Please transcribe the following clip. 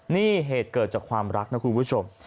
นี่เหตุเกิดจากความรักนะคุณผู้ชม